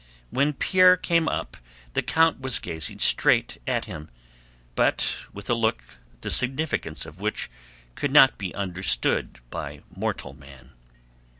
When Pierre came up the count was gazing straight at him, but with a look the significance of which could not be understood by mortal man.